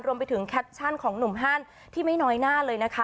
แคปชั่นของหนุ่มฮันที่ไม่น้อยหน้าเลยนะคะ